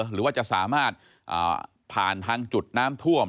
หรือว่าจะสามารถผ่านทางจุดน้ำท่วม